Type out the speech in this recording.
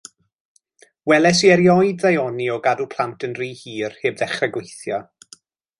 Weles i erioed ddaioni o gadw plant yn rhy hir heb ddechre gweithio.